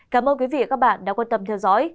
cảm ơn quý vị và các bạn đã quan tâm theo dõi